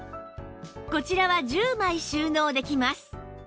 こちらは１０枚収納できます